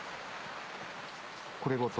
これごと。